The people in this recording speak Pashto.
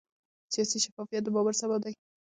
سیاسي شفافیت د باور سبب دی